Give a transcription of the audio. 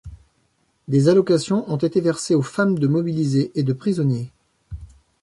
Des allocations ont été versées aux femmes de mobilisés et de prisonniers.